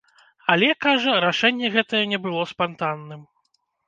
Але, кажа, рашэнне гэтае не было спантанным.